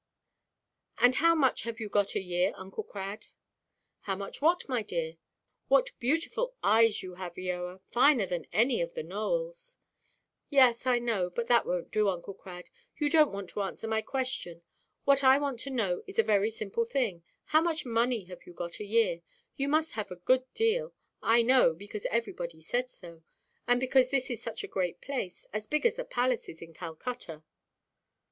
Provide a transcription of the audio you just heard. And how much have you got a year, Uncle Crad?" "How much what, my dear? What beautiful eyes you have, Eoa; finer than any of the Nowells!" "Yes, I know. But that wonʼt do, Uncle Crad; you donʼt want to answer my question. What I want to know is a very simple thing. How much money have you got a year? You must have got a good deal. I know, because everybody says so, and because this is such a great place, as big as the palaces in Calcutta."